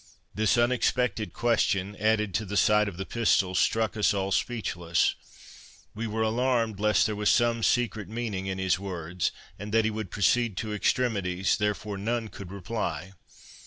This unexpected question, added to the sight of the pistols, struck us all speechless; we were alarmed lest there was some secret meaning in his words, and that he would proceed to extremities, therefore none could reply.